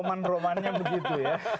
tapi makanya begitu ya